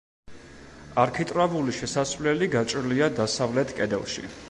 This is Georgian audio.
არქიტრავული შესასვლელი გაჭრილია დასავლეთ კედელში.